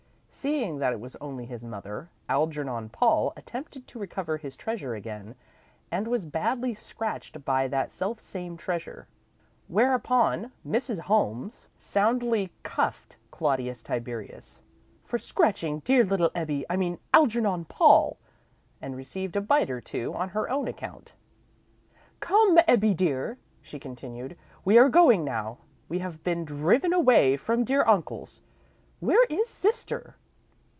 Seeing that it was only his mother, Algernon Paul attempted to recover his treasure again, and was badly scratched by that selfsame treasure. Whereupon Mrs. Holmes soundly cuffed Claudius Tiberius "for scratching dear little Ebbie, I mean Algernon Paul," and received a bite or two on her own account. "Come, Ebbie, dear," she continued, "we are going now. We have been driven away from dear uncle's. Where is sister?"